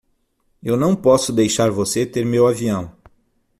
Eu não posso deixar você ter meu avião.